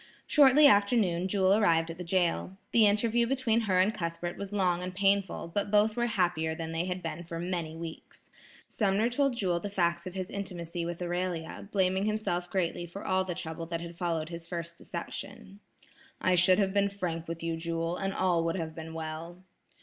Shortly after noon, Jewel arrived at the jail. The interview between her and Cuthbert was long and painful, but both were happier than they had been for many weeks. Sumner told Jewel the facts of his intimacy with Amelia, blaming himself greatly for all the trouble that had followed his first deception. "I should have been frank with you, Jewel, and all would have been well."